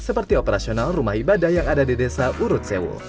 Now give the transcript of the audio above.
seperti operasional rumah ibadah yang ada di desa urut sewo